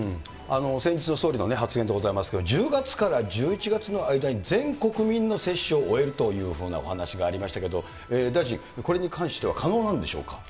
先日の総理の発言でございます、１０月から１１月の間に、全国民の接種を終えるというふうなお話がありましたけれども、大臣、これに関しては可能なんでしょうか？